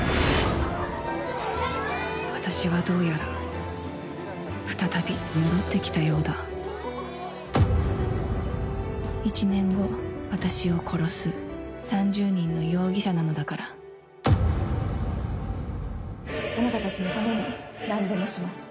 私はどうやら再び戻ってきたようだ１年後私を殺す３０人の容疑者なのだからあなたたちのために何でもします。